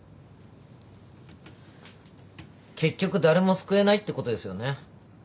結局誰も救えないってことですよね。